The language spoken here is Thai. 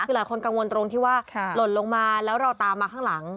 คือหลายคนกังวลตรงที่ว่าหล่นลงมาแล้วเราตามมาข้างหลัง